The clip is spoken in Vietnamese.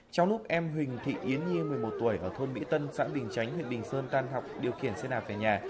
trong lúc em huỳnh thị yến nhi một mươi một tuổi ở thôn mỹ tân xã bình chánh huyện bình sơn tan học điều khiển xe đạp về nhà